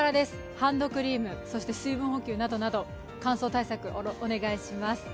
ハンドクリーム、そして水分補給などなど乾燥対策、お願いします。